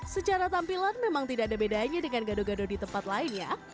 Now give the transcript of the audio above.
secara tampilan memang tidak ada bedanya dengan gado gado di tempat lain ya